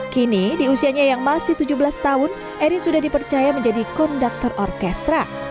kini di usianya yang masih tujuh belas tahun erin sudah dipercaya menjadi konduktor orkestra